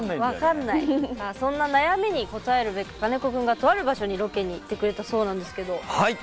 そんな悩みに答えるべく金子君がとある場所にロケに行ってくれたそうなんですけど。